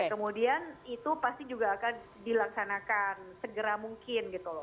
kemudian itu pasti juga akan dilaksanakan segera mungkin gitu loh